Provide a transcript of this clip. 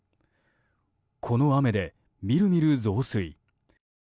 この雨で、みるみる増水。